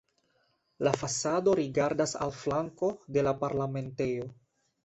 La fasado rigardas al flanko de la Parlamentejo.